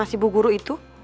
ama si bu guru itu